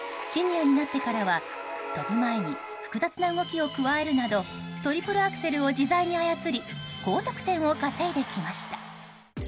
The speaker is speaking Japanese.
シニアになってからは跳ぶ前に複雑な動きを加えるなどトリプルアクセルを自在に操り高得点を稼いできました。